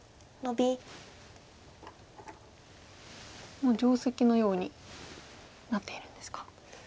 もう定石のようになっているんですか。